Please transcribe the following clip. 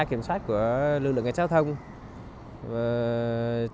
kiểm soát của lực lượng gai giao thông trong đấy chúng tôi còn phải dùng các lời lẽ giáo dục thuyết phục